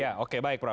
ya oke baik prof